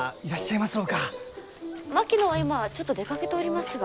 槙野は今ちょっと出かけておりますが。